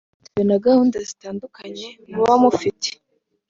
Bitewe na gahunda zitandukanye muba mufite